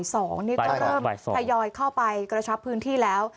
นี่ก็เริ่มทยอยเข้าไปกระชับพื้นที่แล้ว